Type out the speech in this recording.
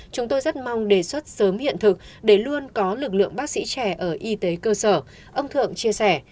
chúng tôi rất mong đề xuất sớm hiện thực để luôn có lực lượng bác sĩ trẻ ở y tế cơ sở ông thượng chia sẻ